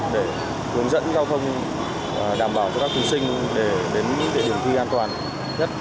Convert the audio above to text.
để hướng dẫn giao thông đảm bảo cho các thí sinh để đến địa điểm thi an toàn nhất